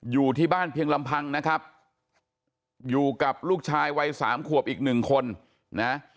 อยู่ที่บ้านเพียงลำพังนะครับอยู่กับลูกชายวัยสามขวบอีกหนึ่งคนนะ